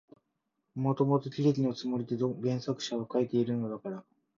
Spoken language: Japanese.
もともと喜劇のつもりで原作者は書いているのだから、